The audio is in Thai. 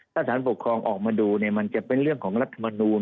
ถ้าสารปกครองออกมาดูมันจะเป็นเรื่องของรัฐมนูล